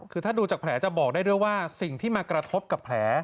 คือถ้าดูจากแผลจะบอกได้ด้วยว่าสิ่งที่มากระทบกับแผล